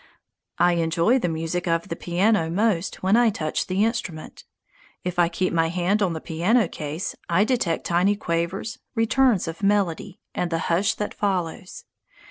I enjoy the music of the piano most when I touch the instrument. If I keep my hand on the piano case, I detect tiny quavers, returns of melody, and the hush that follows.